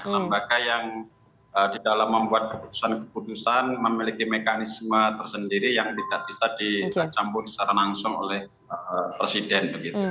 lembaga yang di dalam membuat keputusan keputusan memiliki mekanisme tersendiri yang tidak bisa dicampur secara langsung oleh presiden